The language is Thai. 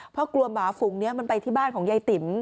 เพราะกลัวหมาฝูงนี้มันไปที่บ้านของยายติ๋ม